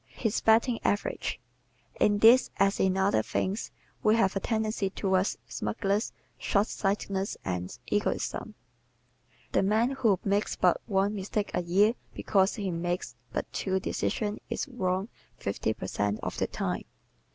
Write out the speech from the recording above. His "Batting Average" ¶ In this, as in other things, we have a tendency toward smugness, shortsightedness and egotism. The man who makes but one mistake a year because he makes but two decisions is wrong fifty per cent of the time.